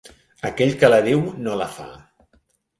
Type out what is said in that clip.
Aquell que la diu no la fa.